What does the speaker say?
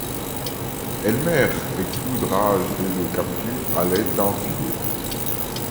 Elmer est fou de rage et le capture à l'aide d'un filet.